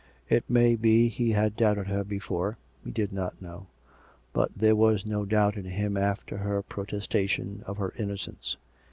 It may be he had doubted her before (he did not know) ; but there was no more doubt in him after her protestation of her innocence.